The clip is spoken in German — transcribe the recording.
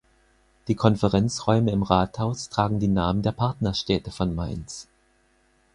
Die Konferenzräume im Rathaus tragen die Namen der Partnerstädte von Mainz.